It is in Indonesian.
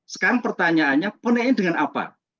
sekarang pertanyaannya poinnya dengan apa